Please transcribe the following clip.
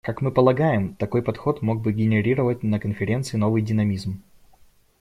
Как мы полагаем, такой подход мог бы генерировать на Конференции новый динамизм.